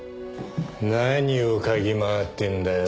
何を嗅ぎ回ってるんだよ？